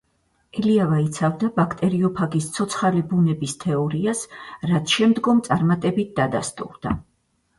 ელიავა იცავდა ბაქტერიოფაგის ცოცხალი ბუნების თეორიას, რაც შემდგომ წარმატებით დადასტურდა.